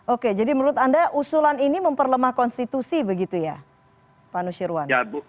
oke jadi menurut anda usulan ini memperlemah konstitusi begitu ya pak nusirwan